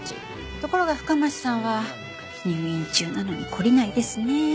ところが深町さんは入院中なのに懲りないですね。